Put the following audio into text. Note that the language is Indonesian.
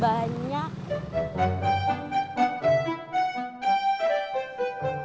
bahkan nggak punya acara